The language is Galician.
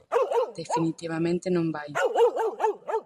Definitivamente non vai.